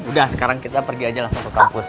udah sekarang kita pergi aja langsung ke kampus